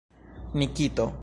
Nikito!